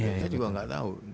saya juga nggak tahu